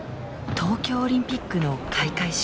東京オリンピックの開会式。